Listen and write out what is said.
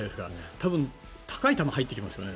多分高い球が入ってきますよね。